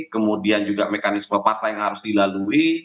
kemudian juga mekanisme partai yang harus dilalui